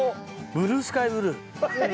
ブルースカイブルー。